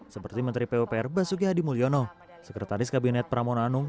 seperti menteri pupr basuki hadi mulyono sekretaris kabinet pramono anung